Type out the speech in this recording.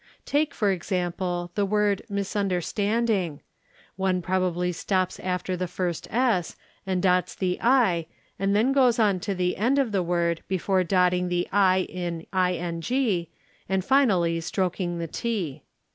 Take for example the word " misunder standing', one probably stops after the first s and dots the i and then goes on to the end of the word before dotting the 7 in ing and finally stroking the ¢.